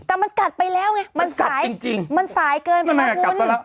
แต่มันกัดไปแล้วไงมันสายเกินพระคุณ